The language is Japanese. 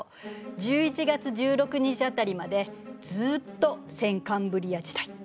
１１月１６日辺りまでずっと先カンブリア時代。